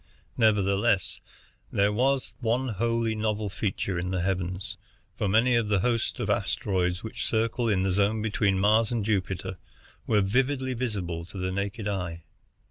Nevertheless, there was one wholly novel feature in the heavens, for many of the host of asteroids which circle in the zone between Mars and Jupiter were vividly visible to the naked eye.